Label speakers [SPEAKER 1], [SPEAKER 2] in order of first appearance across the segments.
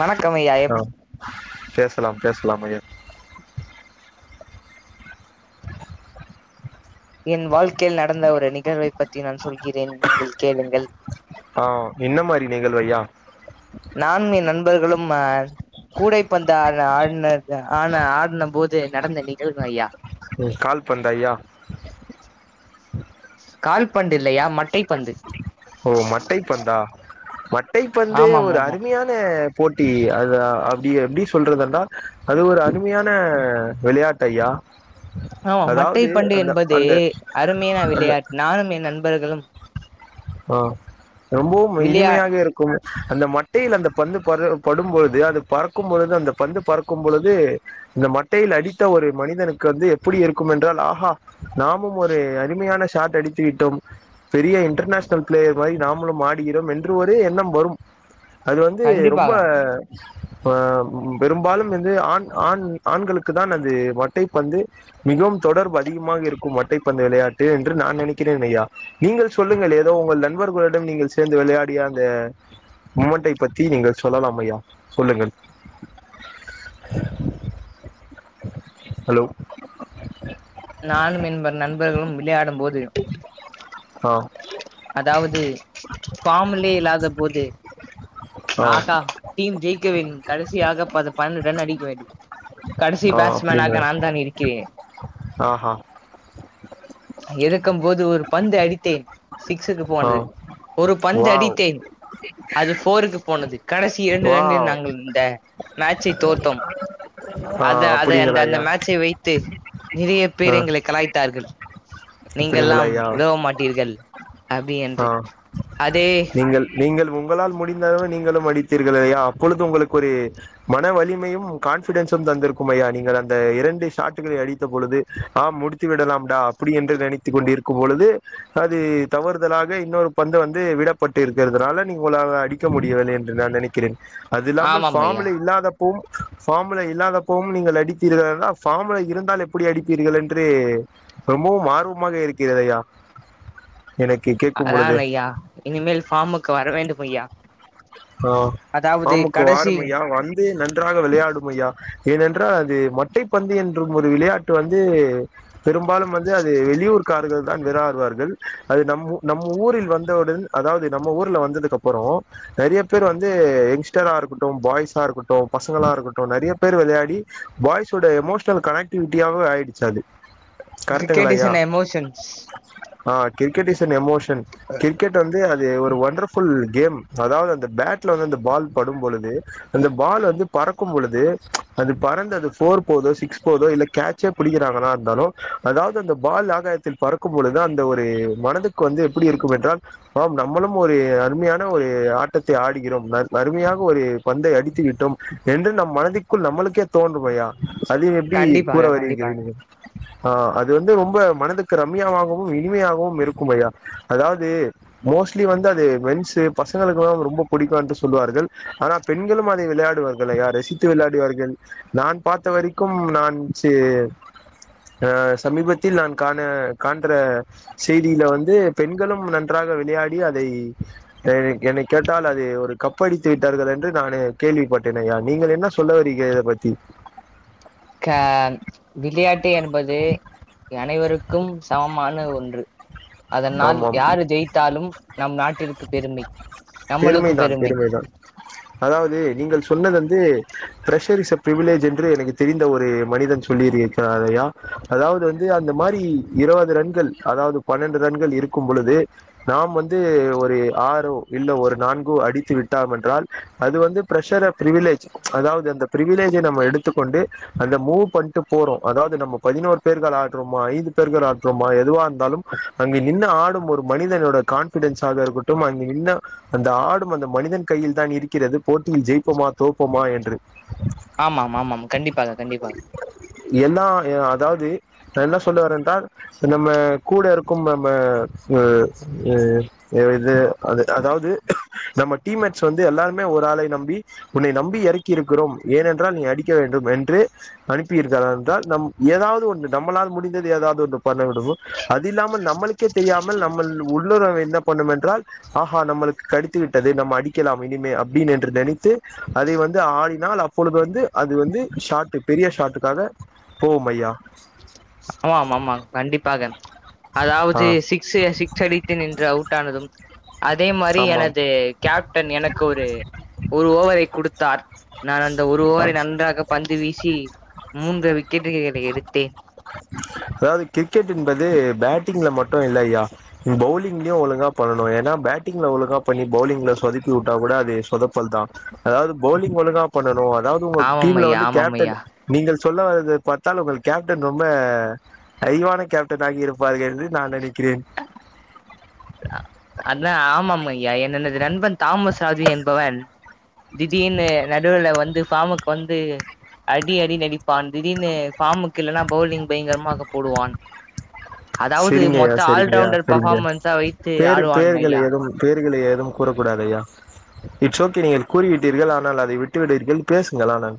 [SPEAKER 1] வணக்கம் ஐயா எப்
[SPEAKER 2] பேஸ்லாம் பேஸ்லாம்மே
[SPEAKER 1] என் வாழ்க்கையில் நடந்த ஒரு நிகழ்வை பத்தி நான் சொல்கிறேன் நீங்கள் கேளுங்கள்
[SPEAKER 2] ஆ என்ன மாரி நிகழ்வையா
[SPEAKER 1] நான் என் நண்பர்களும் ம கூடைப்பந்த ஆன ஆடுனது ஆன ஆடுன போது நடந்த நிகழ்வு ஐயா
[SPEAKER 2] ஓ கால் பந்தாய்யா
[SPEAKER 1] கால் பந்து இல்லையா மட்டை பந்து
[SPEAKER 2] ஓ மட்டைப்பந்தா மட்டைப்பந்து
[SPEAKER 1] ஆமாம்
[SPEAKER 2] ஒரு
[SPEAKER 1] ஆமா
[SPEAKER 2] அருமையா ன போட்டி அது அ அப்டி எப்டி சொல்றது என்றா அது ஒரு அருமையான விளையா ட்டையா
[SPEAKER 1] ஆம் மட்டை பந்து என்பது அருமையான விளையாட்டு நானும் என் நண்பர்களும்
[SPEAKER 2] ஆ ரொம்பவும்
[SPEAKER 1] விளையா
[SPEAKER 2] இனிமையாக இரு கு மே அந்த மட்டையில் அந்த பந்து பட்ற படும்பொழுது அது பறக்கும் பொழுது அந்த பந்து பறக்கும் பொழுது இந்த மட்டையில் அடித்த ஒரு மனிதனுக்கு வந்து எப்படி இருக்கும் என்றால் ஆஹா நாமும் ஒரு அருமையான ஷாட் அடித்து விட்டோம் பெரிய இன்டர்நேஷ் னல் ப்ளேயர் மாரி நாமளும் ஆடுகிறோம் என்று ஒரு எண்ணம் வரும் அது வந்து ரொம்ப
[SPEAKER 1] கண்டிப்பாக
[SPEAKER 2] ஆ பெரும்பாலும் வந்து ஆண் ஆண் ஆண்களுக்கு தான் அது மட்டை பந்து மிகவும் தொடர்பு அதிகமாக இருக்கும் மட்டைப்பந்து விளையாட்டு என்று நான் நினைக்கிறேன் ஐயா நீங்கள் சொல்லுங்கள் எ ந்த உங்கள் நண்பர்களுடன் நீங்கள் சேர்ந்து விளையாடிய அந்த மூமெண்ட்டை பத்தி நீங்கள் சொல்லலாம் ஐயா சொல்லுங்கள் ஹலோ
[SPEAKER 1] நானும் என்க நண்பர்களும் விளையாடும் போது
[SPEAKER 2] ஆ
[SPEAKER 1] அதாவ்து ஃபாம்லி இல்லாத போது
[SPEAKER 2] ஆ
[SPEAKER 1] ஆஹா டீம் ஜெயிக்க வேணும் கடைசியாக பது பன்னண்டு ரன் அடிக்க வேண்டும் கடைசி
[SPEAKER 2] ஆ அப்படிங்கிற
[SPEAKER 1] பேட்ஸ்மேனாக நான் தான் இருக்கிறேன்
[SPEAKER 2] ஆஹா
[SPEAKER 1] இருக்கும் போது ஒரு பந்து அடித்தேன் சிக்ஸுக்கு
[SPEAKER 2] ஆ
[SPEAKER 1] போனது ஒரு பந்து
[SPEAKER 2] வாவ்
[SPEAKER 1] அடித்தேன் அது ஃபோருக்கு போனது கடைசி இரண்டு ரன்கள்
[SPEAKER 2] வாவ்
[SPEAKER 1] நாங்கள் இந்த மேச்சை தோர்த்தோம்
[SPEAKER 2] ஆ
[SPEAKER 1] அத அத அந்த
[SPEAKER 2] அப்படிங்களா
[SPEAKER 1] அந்த
[SPEAKER 2] ஐயா
[SPEAKER 1] மேட்சை வைத்து நிறைய
[SPEAKER 2] ஆ
[SPEAKER 1] பேர் எங்களை கலாய்த்தார்கள்
[SPEAKER 2] அப்படிங்களா
[SPEAKER 1] நீங்கள்லாம்
[SPEAKER 2] ஐயா
[SPEAKER 1] உதவ மாட்டீர்கள் அப்டி
[SPEAKER 2] ஆ
[SPEAKER 1] என்று அதே
[SPEAKER 2] நீ ங்கள் நீங்கள் உங்களால் முடிந்தளவு நீங்களும் அடித்தீர்கள் இல்லையா அப்பொழுது உங்களுக்கு ஒரு மன வலிமையும் கான்பிடன்ஸும் தந்திருக்கும் ஐயா நீங்கள் அந்த இரண்டு ஷாட்டுகளை அடித்த பொழுது ஆ முடித்து விடலாம்டா அப்படி என்று நினைத்துக் கொண்டிருக்கும் பொழுது அது தவறுதலாக இன்னொரு பந்து வந்து விடப்பட்டு இருக்கறதுனால நீ உங்களால அடிக்க முடியவில்லை என்று நான் நனை க்கிறேன் அது இல்லாமல்
[SPEAKER 1] ஆமாம் ஐயா
[SPEAKER 2] ஃபாம்ல வுலாத போம் ஃபாம்ல இல்லாதப்போம் நீங்கள் அடித்தீர்கள் அழகா ஃபாம்ல இருந்தால் எப்படி அடிப்பீர்கள் என்று ரொம்பவும் ஆர்வமாக இருக்கிறதயா எனக்
[SPEAKER 1] அதான் ஐயா இனிமேல் ஃபாமுக்கு வர வேண்டும் ஐயா
[SPEAKER 2] ஓ
[SPEAKER 1] அதாவது
[SPEAKER 2] ஃபாமுக்கு
[SPEAKER 1] கடைசி
[SPEAKER 2] வாருமையா வந் து நன்றாக விளையாடுமையா ஏனென்றால் அது மட்டை பந்து என்றும் ஒரு விளையாட்டு வந்து பெரும்பாலும் வந்து அது வெளியூர்க்கார்கள் தா விராறுவார்கள் அது நம் நம்ம ஊரில் வந்தவுடன் அதாவது நம்ம ஊர்ல வந்ததுக்கு அப்பறோ நெறைய பேர் வந்து யங்ஸ்டரா இருக்கட்டு பாய்ஸா இருக்கட்டு பசங்களா இருக்கட்டு நெறைய பேர் விளையாடி பாய்ஸோட எமோஷனல் கனெக்டிவிட்டியாவே ஆயிடுச்சு அது
[SPEAKER 1] கிரிக்கெட்
[SPEAKER 2] கரெக்டுங்களா
[SPEAKER 1] இஸ்
[SPEAKER 2] ஐயா
[SPEAKER 1] an emotions
[SPEAKER 2] ah cricket is an emotion cricket வந்து அது ஒரு ஒண்டர்ஃபுல் கேம் அதாவது அந்த பேட்ல வந்து அந்த பால் படும்பொழுது அந்த பால் வந்து பறக்கும் பொழுது அது பறந்து அது ஃபோர் போதோ சிக்ஸ் போதோ இல்ல கேட்சே பிடிக்கிறாங்களா இந்தாலு அதாவது அந்த பால் ஆகாயத்தில் பறக்கும் பொழுது தா அந் த ஒரு மனதுக்கு வந்து எப்டி இருக்கும் என்றால் ஆம் நம்மளும் ஒரு அருமையான ஒரு ஆட்டத்தை ஆடுகிறோம் அருமையாக ஒரு பந்தை அடித்து விட்டோம் என்று நம் மனதிக்குள் நம்மளுக்கே தோன்றுமையா அது எப்டி கூற
[SPEAKER 1] கண்டிப்பாக
[SPEAKER 2] வருகிரீர்கள்
[SPEAKER 1] கண்டிப்பாக
[SPEAKER 2] நீங்க ஆ அது வந்து ரொம்ப மனதுக்கு ரம்யாவாகவும் இனிமையாகவும் இருக்கும் ஐயா அதாவது மோஸ்ட்லி வந்து அது மென்சு பசங்களுக்குல்லாம் ரொம்ப புடிக்கும் என்று சொல்வார்கள் ஆனா பெண்களும் அதை விளையாடுவார்கள் ஐயா ரசித்து விளையாடுவார்கள் நான் பாத்த வரைக்கும் நான் சு ஆ சமீபத்தில் நான் காண காண் கின்ற செய்தியில வந்து பெண்களும் நன்றாக விளையாடி அதை என்னை கேட்டால் அது ஒரு கப்படித்து விட்டார்கள் என்று நானு கேள்விப்பட்டேன் ஐயா நீங்கள் என்ன சொல்ல வரீக இத பத்தி
[SPEAKER 1] க விளையாட்டு என்பது அனைவருக் க்கும் சமமான ஒன்று அதனால்
[SPEAKER 2] ஆமாம்
[SPEAKER 1] யார் ஜெயித் த்தாலும் நம் நாட்டிற்கு பெருமை நம்மளுக்கு
[SPEAKER 2] பெருமைதான்
[SPEAKER 1] பெருமை
[SPEAKER 2] பெருமைதான் அதாவது நீங்கள் சொன்னது வந்து பிரஷர்ஸ் இஸ் சா பிரிவிலேஜ் என்று எனக்கு தெரிந்த ஒரு மனிதன் சொல்லியிருக் கிறார் ஐயா அதாவது வந்து அந்த மாரி இருவது ரன்கள் அதாவது பன்னெண்டு ரன்கள் இருக்கும் பொழுது நாம் வந்து ஒரு ஆறோ இல்ல ஒரு நான்கோ அடித்து விட்டாம் என்றால் அது வந்து பிரஷர் ஆப் பிரிவிலேஜ் அதாவது அந்த பிரிவிலேஜை நம்ம எடுத்துக்கொண்டு அந்த மூவ் பண்ட்டு போறோ அதாவது நம்ம பதினோரு பேர்கள் ஆட்றோமா ஐந்து பேர்கள் ஆற்றோமா எதுவா இருந்தாலும் அங்கு நின்னு ஆடும் ஒரு மனிதனோட கான்ஃபிடன்ஸ் ஆக இருக்கட்டும் அங்க நின்ன அந்த ஆடும் அந்த மனிதன் கையில் தான் இருக்கிறது போட்டியில் ஜெயிப்போமா தோப்போமா என்று
[SPEAKER 1] ஆமாம் ஆமாம் கண்டிப்பாக கண்டிப்பாக
[SPEAKER 2] எல்லா அதாவது என்ன சொல்லவரன்றால் இப்ப நம்ம கூட இருக்கும் நம்ம அ அ இது அது அதாவது நம்ம டீமேட்ஸ் வந்து எல்லாருமே ஒரு ஆளை நம்பி உன்னை நம்பி எறக் கிருக்றோம் ஏனென்றால் நீ அடிக்க வேண்டும் என்று அனுப்பியிருக்கிறார் என்றால் நம் ஏதாவது ஒன்று நம்மளால் முடிந்தது ஏதாவது ஒன்று பண்ண விடுமோ அது இல்லாமல் நம்மளுக்கு தெரியாமல் நம்மள் உள்ளுணர்வு என்ன பண்ணும் என்றால் ஆஹா நம்மளுக்கு கடித்துவிட்டது நம்ம அடிக்கலாம் இனிமே அப்டின்னு என்று நினைத்து அதை வந்து ஆடினால் அப்பொழுது வந்து அது வந்து ஷாட்டு் பெரிய ஷாட்டுக்காக போவும் ஐயா
[SPEAKER 1] ஆமாம் ஆமாம் கண்டிப்பாக
[SPEAKER 2] ஆ
[SPEAKER 1] அதாவது சி க்ஸ் சிக்ஸ் அடித்து நின்று அவுட் ஆனதும் அதே மாரி
[SPEAKER 2] ஆமாம்
[SPEAKER 1] எனது கேப்டன் எனக்கு ஒரு ஒரு ஓவரை குடுத்தார் நான் அந்த ஒரு ஓவரை நன்றாக பந்து வீசி மூன்று விக்கெட்டுகளை எடுத்தேன்
[SPEAKER 2] அதாவது கிரிக்கெட் என்பது பேட்டிங்ல மட்டும் இல்லய்யா பவுலிங்லயு ஒழுங்கா பண்ணணு ஏன்னா பேட்டிங்கில ஒழுங்கா பண்ணி பவுலிங்கில சொதப்பி விட்டா கூட அது சொதப்பல் தா அதாவது பவுலிங் ஒழுங்கா பண்ணணும் அதாவது உங்க
[SPEAKER 1] ஆமாம்
[SPEAKER 2] டீம்ல
[SPEAKER 1] ஐயா
[SPEAKER 2] வந்து
[SPEAKER 1] ஆமாம்
[SPEAKER 2] கேப்டன்
[SPEAKER 1] ஐயா
[SPEAKER 2] நீங்கள் சொல்ல வது பாத்தால் உங்கள் கேப்டன் ரொம்ப அறிவான கேப்டனாகி இருப்பார் என்று நான் நினைக்கிறேன்
[SPEAKER 1] அதான் ஆமாம் ஐயா எனது நண்பன் தாமஸ்ராஜு என்பவன் திடீனு நடுவுல வந்து ஃபாமுக்கு வந்து அடி அடி அடிப்பான் திடீர்னு ஃபாமுக்கு இல்லைன்னா பவுலிங் பயங்கரமாக போடுவான் அதாவது
[SPEAKER 2] சரிங்கய்யா
[SPEAKER 1] மொத்தோ ஆல்ரவுண்டர் பர்ஃபார்மன்ஸா வைத்
[SPEAKER 2] பேர் பேர்களை எதவும் பேர்களை எதுவும் கூறக்க கூடாதுஐயா இட்ஸ் ஓகே நீங்கள் கூறிவிட்டீர்கள் ஆனால் அதை விட்டுவிட்டீர்கள் பேசுங்கள் ஆனால்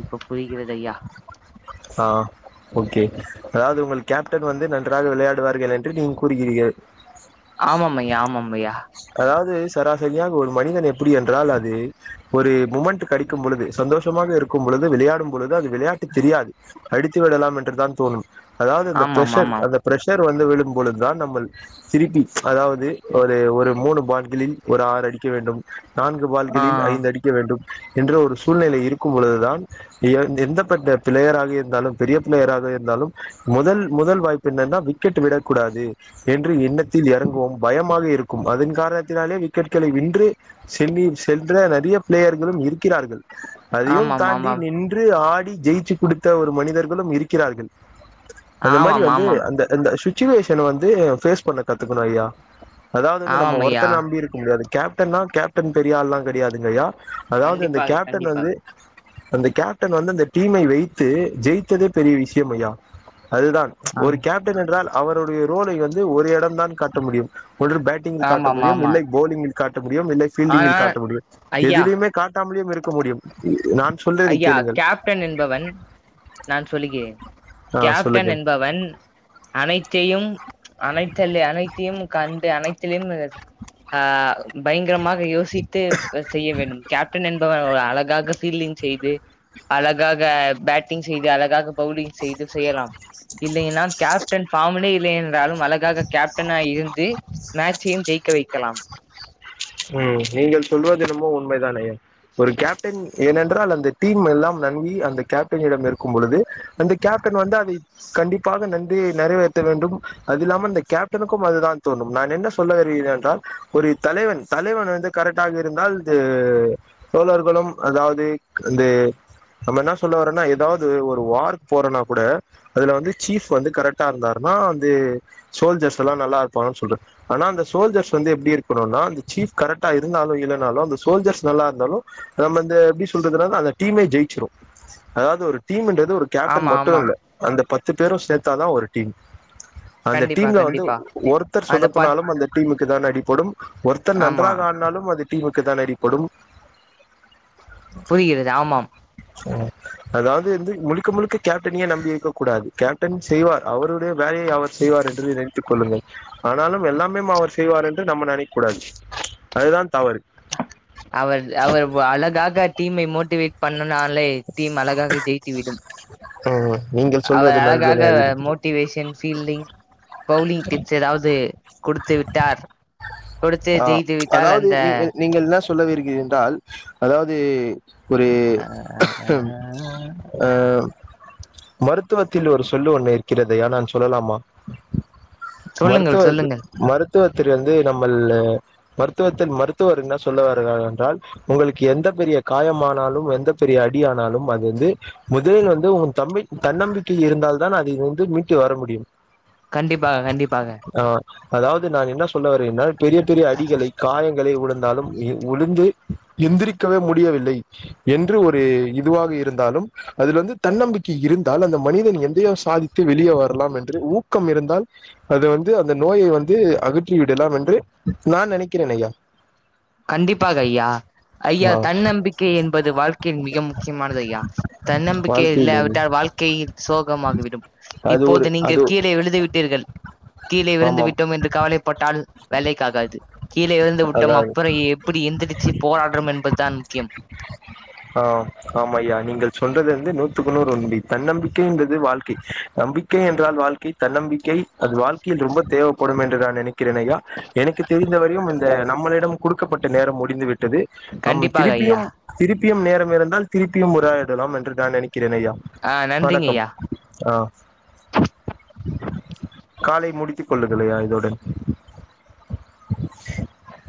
[SPEAKER 1] இப்ப புரிக்கிறது ஐயா
[SPEAKER 2] ஆ ஓகே அதாவது உங்களுக்கு கேப்டன் வந்து நன்றாக விளையாடுவார்கள் என்று நீங் கூறுகிறீர்கள்
[SPEAKER 1] ஆமாமையா ஆமாமையா
[SPEAKER 2] அதாவது சராசரியாக ஒரு மனிதன் எப்படி என்றால் அது ஒரு மூமெண்ட் கிடைக்கும் பொழுது சந்தோஷமாக இருக்கும் பொழுது விளையாடும் பொழுது அது விளையாட்டு தெரியாது அடித்து விடலாம் என்றுதான் தோணும் அதாவது அந்த
[SPEAKER 1] ஆமாம்
[SPEAKER 2] பிரஷர்
[SPEAKER 1] ஆமாம்
[SPEAKER 2] அந்த பிரஷர் வந்து விழும்பொழுதுதான் நம்மல் சிரிப்பி அதாவது ஒரு ஒரு மூணு பான்களில் ஒரு ஆறு அடிக்க வேண்டும் நான்கு
[SPEAKER 1] ஆ
[SPEAKER 2] பால்களில் ஐந்து அடிக்க வேண்டும் என்ற ஒரு சூழ்நிலை இருக்கும் பொழுதுதான் எந்தப்பட்ட பிளேயராக இருந்தாலும் பெரிய பிளேயராக இருந்தாலும் முதல் முதல் வாய்ப்பு என்னன்னா விக்கெட் விடக் கூடாது என்று எண்ணத்தில் எறங்குவோம் பயமாக இருக்கும் அதன் காரணத்தினாலே விக்கெட்களை வின்று செல்லி சென்ற நிறைய பிளேயர்களும் இருக்கிறார்கள் அதையும்
[SPEAKER 1] ஆமாம்
[SPEAKER 2] தாண்டி
[SPEAKER 1] ஆமாம்
[SPEAKER 2] நின்று ஆடி ஜெயிச்சு குடுத்த ஒரு மனிதர்களும் இருக்கிறார்கள் அந்த மாரி
[SPEAKER 1] ஆமாம்
[SPEAKER 2] வந்து
[SPEAKER 1] ஆமாம்
[SPEAKER 2] அந்த அந்த சுச்சுவேஷனை வந்து பேஃஸ் பண்ண கத்துக்கணும் ஐயா அதாவது வந்து நம்ம
[SPEAKER 1] ஆமாம் ஐயா
[SPEAKER 2] ஒருத்தனை நம்பி இருக்க முடியாது கேப்டன்னா கேப்டன் பெரியாலுல கிடாயாதுங்கஐயா அதாவது இந்தந்த
[SPEAKER 1] கண்டிப்பாக
[SPEAKER 2] கேப்டன் வந்து
[SPEAKER 1] கண்டிப்பாக
[SPEAKER 2] அந்த கேப்டன் வந்து அந்த டீமை வைத்து ஜெயித்ததே பெரிய விஷயம் ஐயா அதுதான்
[SPEAKER 1] ஆ
[SPEAKER 2] ஒரு கேப்டன் என்றால் அவருடைய ரோலை வந்து ஒரு இடம் தான் காட்ட முடியும் ஒன்று பேட்டிங் காட்ட
[SPEAKER 1] ஆமாம்
[SPEAKER 2] முடியும்
[SPEAKER 1] ஆமா
[SPEAKER 2] இல்லை போலிங்கில் காட்ட முடியும் இல்லை பீல்டிங்கில்
[SPEAKER 1] ஆனால்
[SPEAKER 2] காட்ட முடியும்
[SPEAKER 1] ஐயா
[SPEAKER 2] எதுலேயுமே காட்டாமலியும் இருக்க முடியும் நான் சொல்றதை
[SPEAKER 1] ஐயா
[SPEAKER 2] கேளுங்கள்
[SPEAKER 1] கேப்டன் என்பவன் நான் சொல்லுகிரேன்
[SPEAKER 2] ஆ
[SPEAKER 1] கேப்டன்
[SPEAKER 2] சொல்லுங்கள்
[SPEAKER 1] என்பவன் அனைத்தையும் அனைத்தலே அனைத்தையும் கண்டு அனைத்தலையும் அ பயங்கரமாக யோசித்து செய்ய வேண்டும் கேப்டன் என்பவன் அழகாக ஃபீல்டிங் செய்து அழகாக பேட்டிங் செய்து அழகாக பவுலிங் செய்து செய்யலாம் இல்லைனால் கேப் ஃபார்மலே இல்லலைன்றாலும் அழகாக கேப்டனா இருந்து மேட்சையும் ஜெயிக்க வைக்கலாம்
[SPEAKER 2] ம் நீங்கள் சொல்வது என்னமோ உண்மைதானே ஒரு கேப்டன் ஏனென்றால் அந்த டீம் எல்லாம் நன்கி அந்த கேப்டனிடம் இருக்கும் பொழுது அந்த கேப்டன் வந்து அதை கண்டிப்பாக நந்தியை நறைவேற்ற வேண்டு அது இல்லாமல் இந்த கேப்டனுக்கு அதுதா தோணும் நா என்ன சொல்ல வருகிறேன் என்றால் ஒரு தலைவன் தலைவன் வந்து கரெட்டால் இருந்தால் இது தோழர்களும் அதாவது இந்தே நம்ம என்ன சொல்ல வரேன்னா ஏதாவது ஒரு வார்க்கு போறோனா கூட அதுல வந்து சீஃப் வந்து கரெக்டா இருந்தாருன்னா வந்து சோல்ஜர்ஸ் எல்லா நல்லா இருப்பான்னு சொல்ற ஆனா அந்த சோல்ஜர்ஸ் வந்து எப்டி இருக்கோணுனா வந்து சீஃப் கரெக்டா இருந்தாலு இல்லைனாலு அந்த சோல்ஜர்ஸ் நல்லா இருந்தாலு நம்ம இந்த எப்டி சொல்றது அந்த டீமே ஜெயிச்சிரு அதாவது ஒரு டீம்ன்றது ஒரு கேப்டன்
[SPEAKER 1] ஆமா
[SPEAKER 2] மட்டு
[SPEAKER 1] ஆமா
[SPEAKER 2] இல்ல அந்த பத்து பேரு சேத்தாதா ஒரு டீம் அந்த
[SPEAKER 1] கண்டிப்பா
[SPEAKER 2] டீம்ல வந்து
[SPEAKER 1] கண்டிப்பா
[SPEAKER 2] ஒருத்தர்
[SPEAKER 1] அந்த பத்
[SPEAKER 2] சொதப்பனாலும் அந்த டீமுக்கு தா அடிப்படும் ஒருத்தர்
[SPEAKER 1] ஆமா
[SPEAKER 2] நன்றாக ஆடு னாலும் அது டீமுக்கு தா அடிப்படும்
[SPEAKER 1] புரிகிறது ஆமாம்
[SPEAKER 2] உம் அதாவது வந்து முழுக்க முழுக்க கேப்டனே நம்பி வைக்கக் கூடாது கேப்டன் செய்வார் அவருடைய வேலையை அவர் செய்வார் என்று நினைத்துக் கொள்ளுங்கள் ஆனாலும் எல்லாமே அவர் செய்வார் என்று நம்ம நெனைக்க கூடாது அதுதான் தவறு
[SPEAKER 1] அவர் அவர் அழகாக டீமை மோட்டிவேட் பண்ணுனாலே தீம் அழகாக ஜெயி்த்து விடும்
[SPEAKER 2] ம் நீங்கள்
[SPEAKER 1] அவ
[SPEAKER 2] சொல்வது
[SPEAKER 1] அழகாக
[SPEAKER 2] நன்றுதான் இருக்கிறது.
[SPEAKER 1] மோட்டிவேஷன் ஃபீல்டிங் பவுலிங் டிப்ஸ் ஏதாவது குடுத்து விட்டார் கொடுத்து
[SPEAKER 2] ஆ
[SPEAKER 1] ஜெயித்து விட்டால்
[SPEAKER 2] அதாவது
[SPEAKER 1] அந்த
[SPEAKER 2] நீங்கள் நீங்கள் என்ன சொல்லுவீர்கள் என்றால் அதாவது ஒரே
[SPEAKER 1] அ அ
[SPEAKER 2] அம் அ அம் மருத்துவத்தில் ஒரு சொல்லு ஒன்னு இருக்கிறது ஆனால் சொல்லலாமா
[SPEAKER 1] சொல்லுங்கள்
[SPEAKER 2] மருத்துவ
[SPEAKER 1] சொல்லுங்கள்
[SPEAKER 2] மருத்துவத்தில் இருந்து வந்து நம்மல்லு மருத்துவத்தில் மருத்துவர் என்ன சொல்லவருவார் என்றால் உங்களுக்கு எந்த பெரிய காயமானாலு எந்த பெரிய அடி ஆனாலு அது வந்து முதலில் வந்து உன் தம்பி தன்னம்பிக்கை இருந்தால் தான் அதை வந்து மீட்டு வர முடியும்
[SPEAKER 1] கண்டிப்பாக கண்டிப்பாக
[SPEAKER 2] ஆ அதாவது நான் என்ன சொல்ல வரேன்னால் பெரிய பெரிய அடிகளை காயங்களை உழுந்தாலும் [inaudible] என்று ஒரு இதுவாக இருந்தாலும் அதுல வந்து தன்னம்பிக்கை இருந்தால் அந்த மனிதன் எதையோ சாதித்து வெளியே வரலாம் என்று ஊக்கம் இருந்தால் அது வந்து அந்த நோயை வந்து அகற்றி விடலாம் என்று நான் நினைக்கிறேன் ஐயா
[SPEAKER 1] கண்டிப்பாக ஐயா ஐயா
[SPEAKER 2] ஆஹ்
[SPEAKER 1] தன்னம்பிக்கை என்பது வாழ்க்கின் மிக முக்கியமானது ஐயா தன்னம்பிக்கை இல்ல
[SPEAKER 2] வாழ்க்கையில்
[SPEAKER 1] விட்டால் வாழ்க்கையில் சோகமாகிவிடும்
[SPEAKER 2] அது ஒரு
[SPEAKER 1] இப்போது நீங்கள்
[SPEAKER 2] அது
[SPEAKER 1] கீழே விழுது விட்டீர்கள் கீழே விழுந்து
[SPEAKER 2] ஆமாம்
[SPEAKER 1] விட்டோம் என்று கவலை பட்டால் வேலைக்காகாது கீழே விழுந்து விட்டம்
[SPEAKER 2] அதான்
[SPEAKER 1] அப் அப்பற எப்பிடி எந்திரிச்சி போராடறம் என்பதுதான் முக்கியம்
[SPEAKER 2] ஆ ஆமா ஐயா நீங்கள் சொல்றது வந்து நூத்துக்கு நூறு ஒம்பி தன்னம்பிக்கை என்பது வாழ்க்கை நம்பி கை என்றால் வாழ்க்கை தன்னம்பிக்கை அது வாழ்க்கையில் ரொம்ப தேவைப்படும் என்று நான் நினைக்கிறேன் ஐயா எனக்கு தெரிந் இந்த வரையும் இந்த நம்மளிடம் குடுக்கப்பட்ட நேரம் முடிந்து விட்டது அம்
[SPEAKER 1] கண்டிப்பாக ஐயா
[SPEAKER 2] திருப்பியும் திருப்பியும் நேரம் இருந்தால் திருப்பியும் உறையாரிடலாம் என்று நான் நினைக்கிறேன் ஐயா
[SPEAKER 1] ஆ நன்றிங்க
[SPEAKER 2] வணக்கம்
[SPEAKER 1] ஐயா
[SPEAKER 2] ஆ காலை முடித்து கொள்ளுங்கலையா இதோட